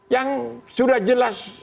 yang sudah jelas